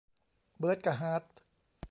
เบิร์ดกะฮาร์ท